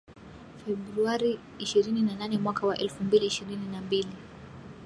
Februari ishirini na nane mwaka wa elfu mbili ishirini na mbili.